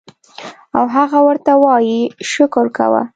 او هغه ورته وائي شکر کوه